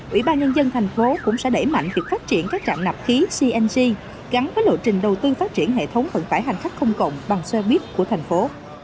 ủy ban nhân dân thành phố cũng sẽ đẩy mạnh việc phát triển các trạm nạp khí cng gắn với lộ trình đầu tư phát triển hệ thống vận tải hành khách công cộng bằng xe buýt của thành phố